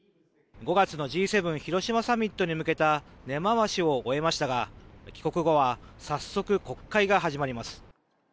５月のＧ７広島サミットに向けた根回しを終えましたが帰国後は早速国会が始まります。